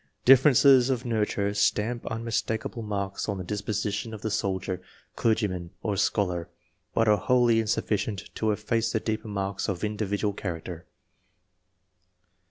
Differences of nurture stamp un mistakable marks on the disposition of the soldier, clergyman, or scholar, but are wholly in suflficient to efface the deeper marks of individual character.